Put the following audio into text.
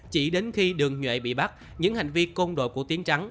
chỉ đến khi đường nhuệ bị bắt những hành vi công đội của tiến trắng